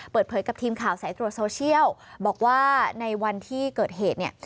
เปิดเผยกับทีมข่าวสายตรวจโซเชียลบอกว่าในวันที่เกิดเหตุเนี่ย